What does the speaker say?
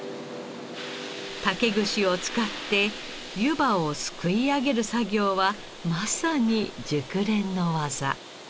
竹串を使って湯葉をすくい上げる作業はまさに熟練の技。